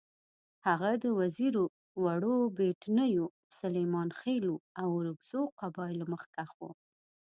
هغه د وزیرو، وړو بېټنیو، سلیمانخېلو او اورکزو قبایلو مخکښ وو.